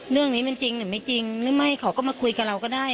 เรื่องนี้มันจริงหรือไม่จริงหรือไม่เขาก็มาคุยกับเราก็ได้